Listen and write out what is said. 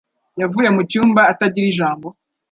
Yavuye mu cyumba atagira ijambo.